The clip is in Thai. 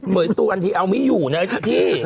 เมื่อยตู้อันที่เอาไม่อยู่นะที่ที่